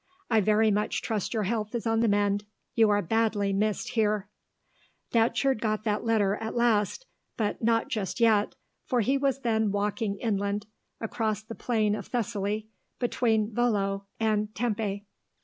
I very much trust your health is on the mend, you are badly missed here." Datcherd got that letter at last, but not just yet, for he was then walking inland across the Plain of Thessaly between Volo and Tempe.